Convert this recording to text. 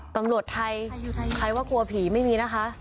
ตำรวจไทยใครว่ากลัวผีไม่มีนะคะ